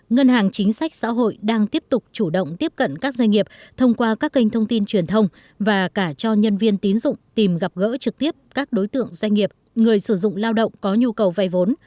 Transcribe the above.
ngân hàng chính sách xã hội đang tiếp tục chủ động tiếp cận các doanh nghiệp thông qua các kênh thông tin truyền thông và cả cho nhân viên tín dụng tìm gặp gỡ trực tiếp các đối tượng doanh nghiệp người sử dụng lao động có nhu cầu vay vốn